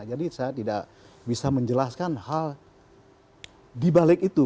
jadi saya tidak bisa menjelaskan hal dibalik itu